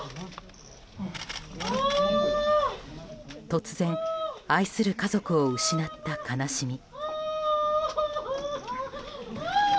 突然、愛する家族を失った悲しみ。